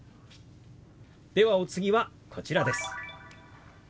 ではお次はこちらです。